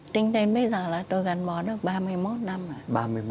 tính đến bây giờ là tôi gắn bó được ba mươi một năm rồi